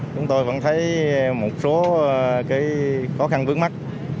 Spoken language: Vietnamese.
chúng tôi vẫn thấy một số cái khó khăn bước mắt